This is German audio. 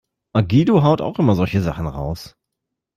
Guido haut auch immer solche Sachen raus.